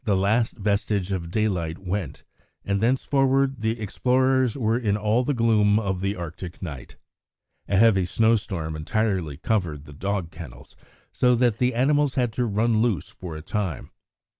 ] On November 20 the last vestige of daylight went, and thenceforward the explorers were in all the gloom of the Arctic night. A heavy snow storm entirely covered the dog kennels, so that the animals had to run loose for a time.